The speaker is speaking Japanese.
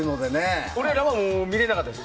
俺らは見れなかったです。